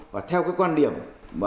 và theo cái quan điểm